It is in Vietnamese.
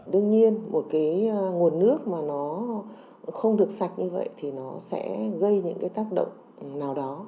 đương nhiên một cái nguồn nước mà nó không được sạch như vậy thì nó sẽ gây những cái tác động nào đó